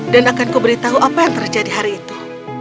dan akan ku beritahu apa yang terjadi hari itu